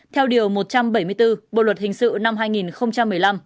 theo điều một trăm bảy mươi bốn bộ luật hình sự năm hai nghìn một mươi năm